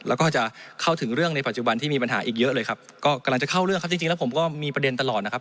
แล้วก็จะเข้าถึงเรื่องในปัจจุบันที่มีปัญหาอีกเยอะเลยครับก็กำลังจะเข้าเรื่องครับจริงจริงแล้วผมก็มีประเด็นตลอดนะครับ